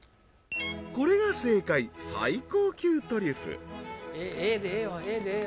これが正解最高級トリュフＡでええよ